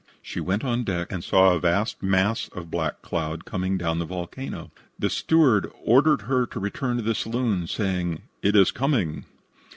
She went on deck and saw a vast mass of black cloud coming down from the volcano. The steward ordered her to return to the saloon, saying, "It is coming."